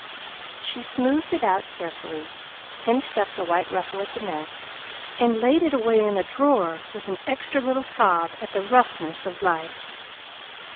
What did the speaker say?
She smoothed it out carefully, pinched up the white ruffle at the neck, and laid it away in a drawer with an extra little sob at the roughness of life.